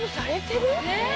えっ！？